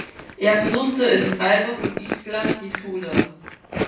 Er besuchte in Freiburg im Üechtland die Schule.